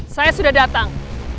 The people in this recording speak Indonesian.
saya sudah datang